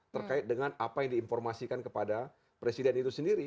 terkait dengan apa yang diinformasikan kepada presiden itu sendiri